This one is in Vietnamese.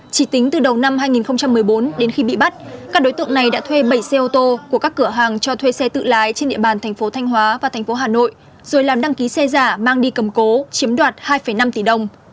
chỉ tính từ đầu năm hai nghìn một mươi bốn đến khi bị bắt các đối tượng này đã thuê bảy xe ô tô của các cửa hàng cho thuê xe tự lái trên địa bàn thành phố thanh hóa và thành phố hà nội rồi làm đăng ký xe giả mang đi cầm cố chiếm đoạt hai năm tỷ đồng